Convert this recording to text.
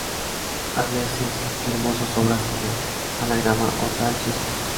A veces firmó sus obras con el anagrama Otal Susi.